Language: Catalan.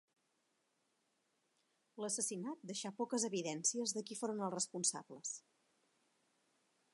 L'assassinat deixà poques evidències de qui foren els responsables.